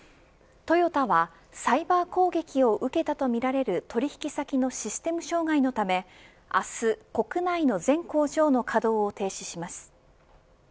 トヨタはサイバー攻撃を受けたとみられる取引先のシステム障害のため明日、国内の全工場の稼働を停止します。